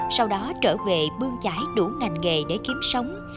sau đó trở về bương trái đủ ngành nghề để kiếm sống